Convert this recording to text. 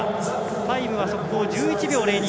タイムは速報１１秒０２。